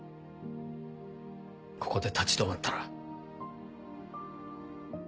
ここで立ち止まったら。